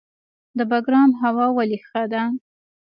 د بګرام هوا ولې ښه ده؟